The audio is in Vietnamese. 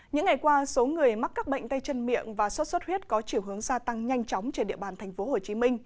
những ngày qua số người mắc các bệnh tay chân miệng và sốt xuất huyết có chiều hướng gia tăng nhanh chóng trên địa bàn tp hcm